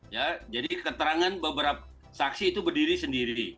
ya jadi keterangan beberapa saksi itu berdiri sendiri